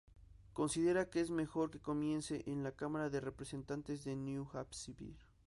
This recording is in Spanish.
Considera que es mejor que comience en la cámara de representantes de New Hampshire.